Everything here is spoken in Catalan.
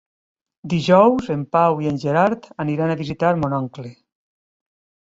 Dijous en Pau i en Gerard aniran a visitar mon oncle.